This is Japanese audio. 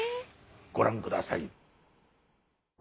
ご覧下さい。